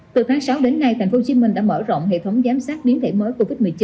từ tháng sáu đến nay thành phố hồ chí minh đã mở rộng hệ thống giám sát biến thể mới covid một mươi chín